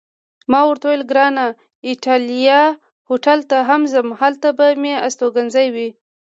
ما ورته وویل: ګران ایټالیا هوټل ته هم ځم، هلته به مې استوګنځی وي.